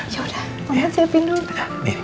yaudah mama siapin dulu